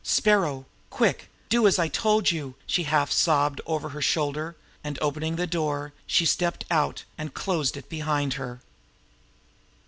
"Sparrow quick! Do as I told you!" she half sobbed over her shoulder and opening the door, stepped out and dosed it behind her.